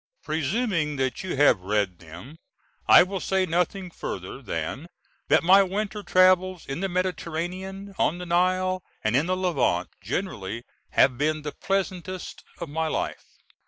Presuming that you have read them I will say nothing further than that my winter travels, in the Mediterranean, on the Nile, and in the Levant generally have been the pleasantest of my life.